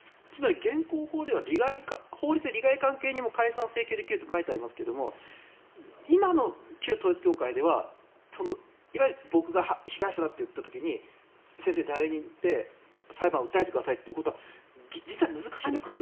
現行法では法律で利害関係人も解散請求できると書いてありますが今の旧統一教会ではいわゆる僕が被害者だと言ったときに先生、代理人で裁判訴えてくださいということは実は難しいんですか？